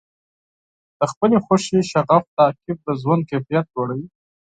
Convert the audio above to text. د خپلې خوښې شغف تعقیب د ژوند کیفیت لوړوي.